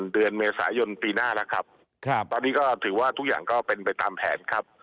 เดือนเมษายนปีหน้าแล้วครับตอนนี้ก็ถือว่าทุกอย่างก็เป็นไปตามแผนครับ